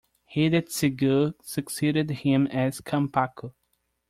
Hidetsugu succeeded him as "kampaku".